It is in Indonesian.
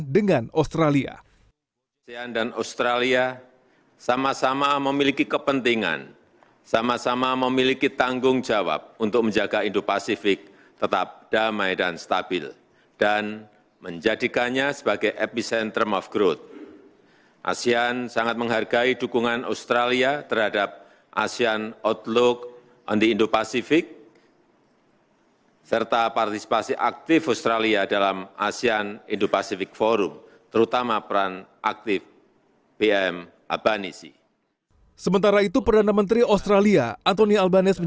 dan menjaga kepentingan perusahaan